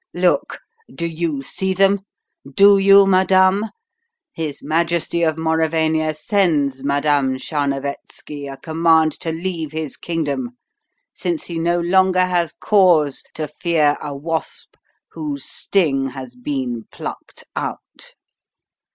"Look! do you see them do you, madame? His Majesty of Mauravania sends Madame Tcharnovetski a command to leave his kingdom, since he no longer has cause to fear a wasp whose sting has been plucked out."